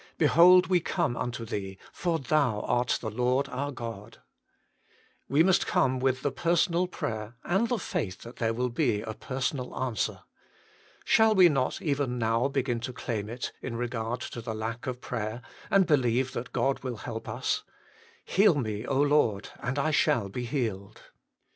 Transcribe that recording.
Behold, we come unto Thee, for Thou art the Lord our God." We must come with the personal prayer, and the faith that there will be a personal answer. Shall we not even now begin to claim it in regard to the lack of prayer, and believe that God will help us :" Heal me, Lord, and I shall be healed."